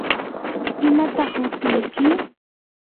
¿imataq hutiyki?